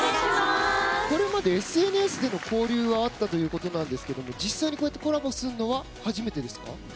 これまでＳＮＳでの交流はあったということなんですが実際にコラボするのは初めてですか？